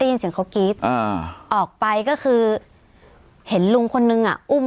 ยินเสียงเขากรี๊ดอ่าออกไปก็คือเห็นลุงคนนึงอ่ะอุ้ม